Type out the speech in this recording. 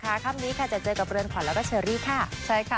นะคะค่ะคับนี้ค่ะจะเจอกับเรือนขวัญแล้วก็เฉริค่ะใช่ค่ะ